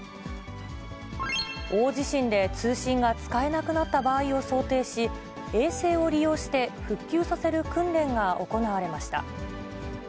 大地震で通信が使えなくなった場合を想定し、衛星を利用して復旧させる訓練が行われました。